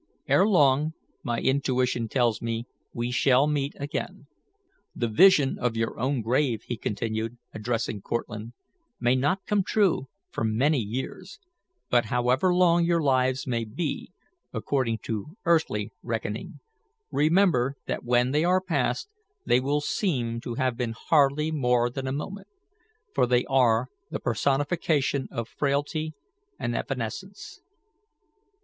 Ere long, my intuition tells me, we shall meet again. "The vision of your own grave," he continued, addressing Cortlandt, "may not come true for many years, but however long your lives may be, according to earthly reckoning, remember that when they are past they will seem to have been hardly more than a moment, for they are the personification of frailty and evanescence."